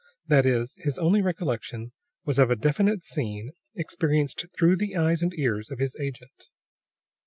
That is, his only recollection was of a definite scene, experienced through the eyes and ears of his agent.